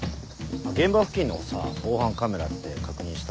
現場付近のさ防犯カメラって確認した？